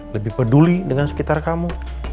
lebih peduli dengan sekitar kamu